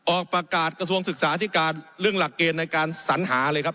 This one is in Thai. ออกประกาศกระทรวงศึกษาที่การเรื่องหลักเกณฑ์ในการสัญหาเลยครับ